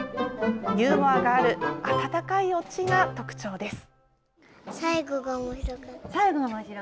ユーモアがある温かいオチが特徴です。